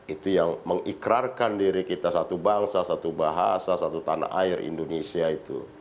itu yang mengikrarkan diri kita satu bangsa satu bahasa satu tanah air indonesia itu